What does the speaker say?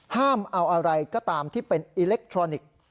ห้ามเอาอะไรก็ตามที่เป็นอิเล็กทรอนิกส์